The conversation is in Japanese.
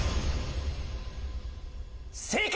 正解！